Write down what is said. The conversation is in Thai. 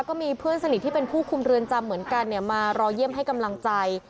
ก็มีเพื่อนสนิทที่เป็นผู้คุมเรือนจำเหมือนกันมารอเยี่ยมให้กำลังใจ